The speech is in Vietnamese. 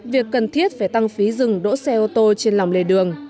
việc cần thiết phải tăng phí dừng đỗ xe ô tô trên lòng lề đường